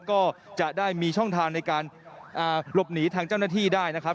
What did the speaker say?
ก็จะได้มีช่องทางในการหลบหนีทางเจ้าหน้าที่ได้นะครับ